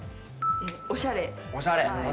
おしゃれ。